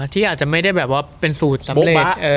ที่อาจจะไม่ได้แบบว่าเป็นสูตรสำเร็จ